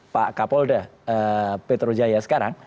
pak kapolda petrojaya sekarang